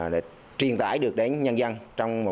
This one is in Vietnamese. để truyền tải được đến nhân dân